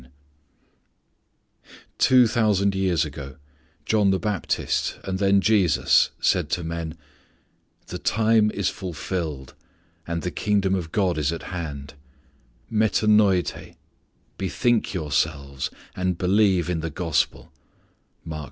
VI Two thousand years ago John the Baptist and then Jesus said to men: The time is fulfilled and the Kingdom of God is at hand; (μετανοεῖτε) bethink yourselves and believe in the Gospel (Mark i.